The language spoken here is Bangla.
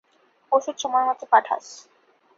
ওষুধ সময়মতো পাঠাস।